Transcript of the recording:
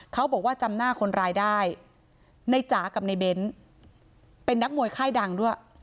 บอกว่าจำหน้าคนร้ายได้ในจ๋ากับในเบ้นเป็นนักมวยค่ายดังด้วย